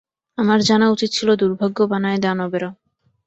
আমার জানা উচিৎ ছিল দুর্ভাগ্য বানায় দানবেরা।